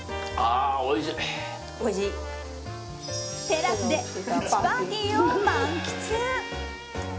テラスでプチパーティーを満喫。